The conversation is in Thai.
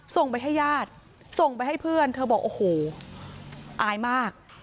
ส่งไปให้ญาติส่งไปให้เพื่อนเธอบอกโอ้โหอายมาก